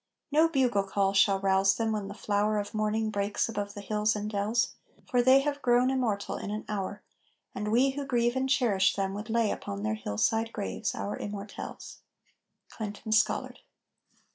No bugle call shall rouse them when the flower Of morning breaks above the hills and dells, For they have grown immortal in an hour, And we who grieve and cherish them would lay Upon their hillside graves our immortelles! CLINTON SCOLLARD.